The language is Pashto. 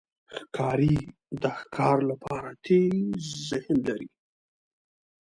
ښکاري د ښکار لپاره تېز ذهن لري.